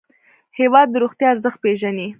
هېواد د روغتیا ارزښت پېژني.